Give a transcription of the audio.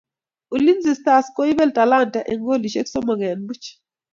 Ulinzi stars koibel Talanta en kolishek somok en buch